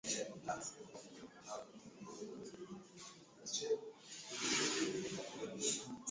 Kupanuka na kuvimba kwa korodani kende moja au zote miongoni mwa madume